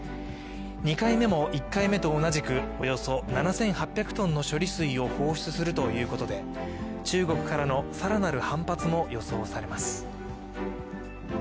２回目も１回目と同じくおよそ７８００ｔの処理水を放出するということで、中国からの更なる反発も予想されます。